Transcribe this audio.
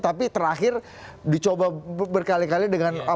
tapi terakhir dicoba berkali kali dengan